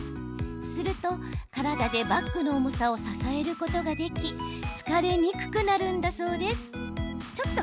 すると体でバッグの重さを支えることができ疲れにくくなるんだそうです。